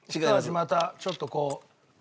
またちょっとこう。